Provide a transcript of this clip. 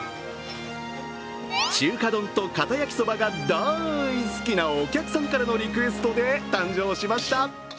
中華丼とカタ焼きそばが大好きなお客さんからのリクエストで誕生しました。